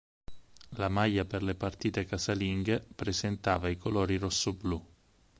La maglia per le partite casalinghe presentava i colori rossoblu.